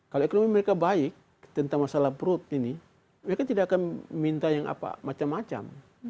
kalau ekonomi mereka baik tentang masalah perut ini mereka tidak akan minta yang apa macam macam